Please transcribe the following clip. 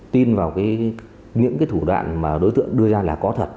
tin vào những cái thủ đoạn mà đối tượng đưa ra là có thật